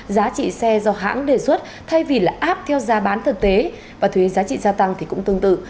giá trị xe do hãng đề xuất thay vì là áp theo giá bán thực tế và thuế giá trị gia tăng cũng tương tự